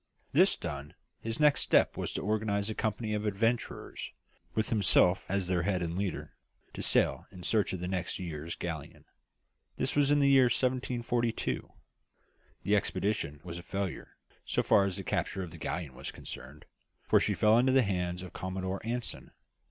This done, his next step was to organise a company of adventurers, with himself as their head and leader, to sail in search of the next year's galleon. This was in the year 1742. The expedition was a failure, so far as the capture of the galleon was concerned, for she fell into the hands of Commodore Anson.